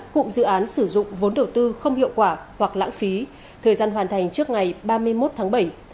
cụm dự án sử dụng vốn đầu tư không hiệu quả hoặc lãng phí thời gian hoàn thành trước ngày ba mươi một tháng bảy